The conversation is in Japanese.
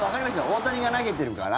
大谷が投げてるから。